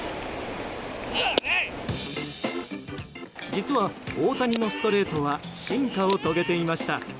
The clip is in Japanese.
実は、大谷のストレートは進化を遂げていました。